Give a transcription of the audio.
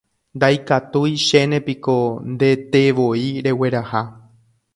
Ndaikatuichénepiko ndetevoi regueraha